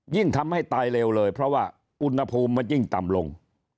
ยิ่งทำให้ตายเร็วเลยเพราะว่าอุณหภูมิมันยิ่งต่ำลง